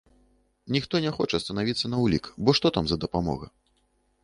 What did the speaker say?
Ніхто не хоча станавіцца на ўлік, бо што там за дапамога?